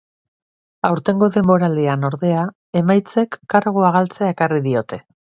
Aurtengo denboraldian, ordea, emaitzek kargua galtzea ekarri diote.